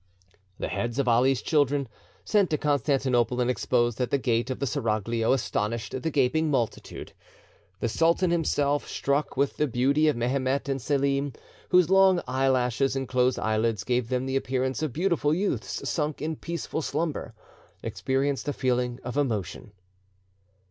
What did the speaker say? The heads of Ali's children, sent to Constantinople and exposed at the gate of the seraglio, astonished the gaping multitude. The sultan himself, struck with the beauty of Mehemet and Selim, whose long eyelashes and closed eyelids gave them the appearance of beautiful youths sunk in peaceful slumber, experienced a feeling of emotion.